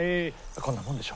こんなもんでしょ。